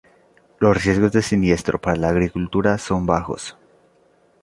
Los riesgos de siniestro para la agricultura son bajos.